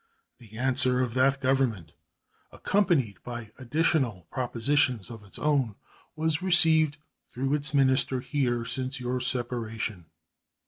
The answer of that Government, accompanied by additional propositions of its own, was received through its minister here since your separation.